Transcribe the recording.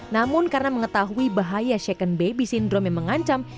namun karena mengetahui bahaya second baby syndrome yang mengancam